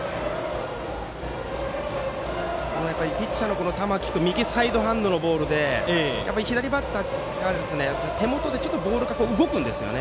ピッチャーの玉木君は右サイドのボールで左バッターは手元でボールがちょっと動くんですよね。